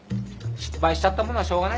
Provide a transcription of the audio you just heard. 失敗しちゃったものはしょうがない。